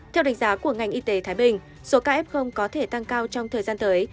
theo đánh giá của ngành y tế thái bình số ca f có thể tăng cao trong thời gian tới